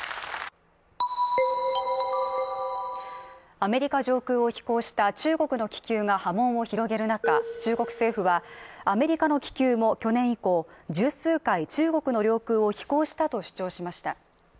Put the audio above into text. アメリカ上空を飛行した中国の気球が波紋を広げる中、中国政府はアメリカの気球も去年以降、１０数回中国の領空を飛行したと主張しました。